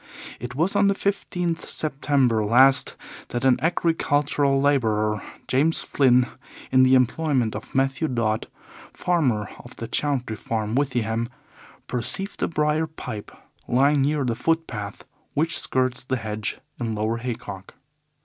It was on the 15th September last that an agricultural labourer, James Flynn, in the employment of Mathew Dodd, farmer, of the Chauntry Farm, Withyham, perceived a briar pipe lying near the footpath which skirts the hedge in Lower Haycock.